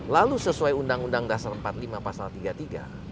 lalu sesuai undang undang dasar empat puluh lima pasal tiga puluh tiga